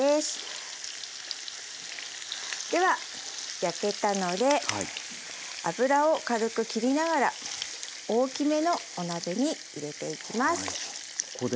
では焼けたので脂を軽くきりながら大きめのお鍋に入れていきます。